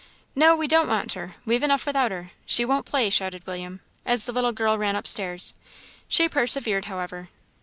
"No we don't want her! we've enough without her she won't play!" shouted William, as the little girl ran upstairs. She persevered, however.